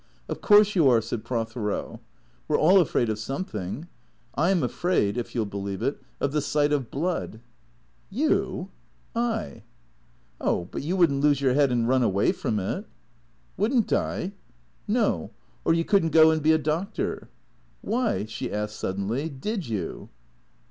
Of course you are," said Prothero. " We 're all afraid of something. I 'm afraid, if you '11 believe it, of the sight of blood." " You ?"(( T JJ " Oh — but you would n't lose your head and run away from it." "Wouldn't I?" " No. Or you could n't go and be a doctor. Why," she asked suddenly, " did you